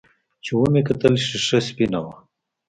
چې ومې کتل ښيښه سپينه وه.